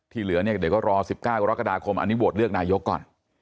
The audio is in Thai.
เหลือเนี่ยเดี๋ยวก็รอ๑๙กรกฎาคมอันนี้โหวตเลือกนายกก่อน